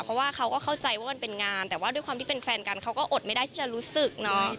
เพราะว่าเขาก็เข้าใจว่ามันเป็นงานแต่ว่าด้วยความที่เป็นแฟนกันเขาก็อดไม่ได้ที่จะรู้สึกเนาะ